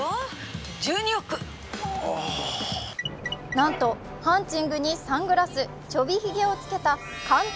なんとハンチングにサングラスちょびひげをつけた監督